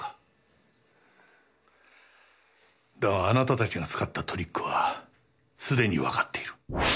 だがあなたたちが使ったトリックは既にわかっている。